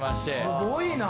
すごいなぁ。